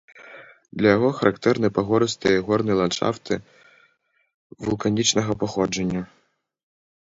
Для яго характэрны пагорыстыя і горныя ландшафты вулканічнага паходжання.